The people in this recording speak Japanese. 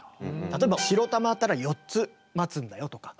例えば白玉あったら４つ待つんだよとか。